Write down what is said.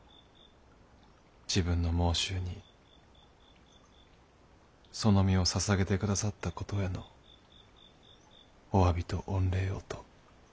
自分の妄執にその身をささげて下さったことへのお詫びと御礼をと。